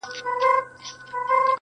نن مي واخله پر سر یو مي سه تر سونډو,